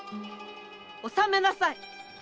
収めなさい！